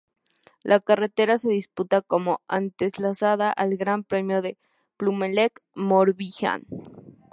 La carrera se disputa como antesala al Gran Premio de Plumelec-Morbihan.